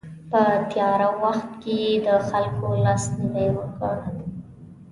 په تیاره وخت کې یې د خلکو لاسنیوی وکړ.